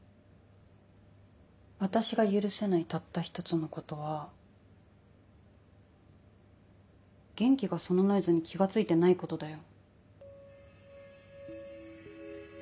私が許せないたった１つのことは元気がそのノイズに気が付いてないことだよ